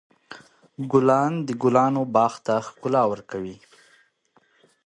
ګلان د ګلانو باغ ته ښکلا ورکوي.